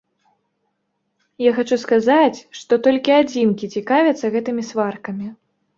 Я хачу сказаць, што толькі адзінкі цікавяцца гэтымі сваркамі.